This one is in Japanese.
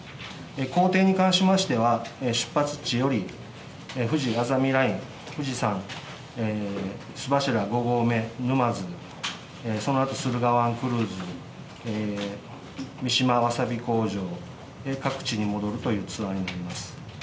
行程に関しましては、出発地より、ふじあざみライン、富士山須走５合目、沼津、そのあと駿河湾クルーズ、三島わさび工場、各地に戻るというツアーになります。